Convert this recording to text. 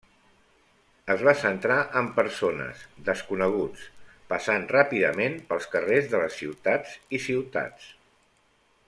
Es va centrar en persones, desconeguts, passant ràpidament pels carrers de les ciutats i ciutats.